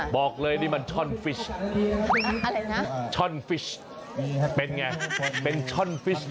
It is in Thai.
เป็นไงเป็นช่อนฟีส